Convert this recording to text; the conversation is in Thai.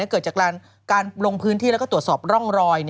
เกิดจากการลงพื้นที่แล้วก็ตรวจสอบร่องรอย